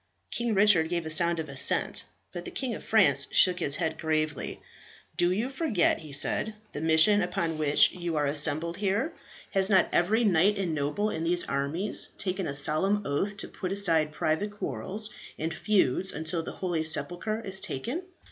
King Richard gave a sound of assent, but the King of France shook his head gravely. "Do you forget," he said, "the mission upon which you are assembled here? Has not every knight and noble in these armies taken a solemn oath to put aside private quarrels and feuds until the holy sepulchre is taken?